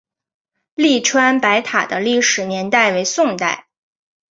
栗川白塔的历史年代为宋代。